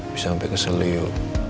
bisa sampai keseliu